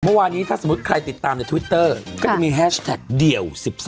เมื่อวานี้ถ้าสมมุติใครติดตามในทวิตเตอร์ก็จะมีแฮชแท็กเดี่ยว๑๒